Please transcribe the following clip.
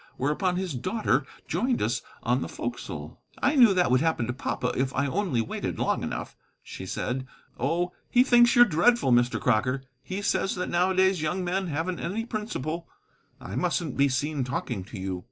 Whereupon his daughter joined us on the forecastle. "I knew that would happen to papa if I only waited long enough," she said. "Oh, he thinks you're dreadful, Mr. Crocker. He says that nowadays young men haven't any principle. I mustn't be seen talking to you."